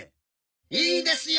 いいですよ。